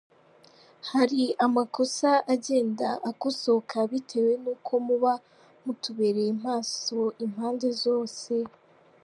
Hari amakosa agenda akosoka bitewe n’uko muba mutubereye maso impande zose.